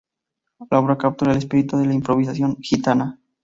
La obra captura el espíritu de la improvisación gitana.